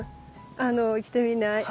あの行ってみない？